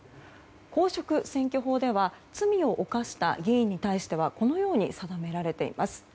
公職選挙法では罪を犯した議員に対してはこのように定められています。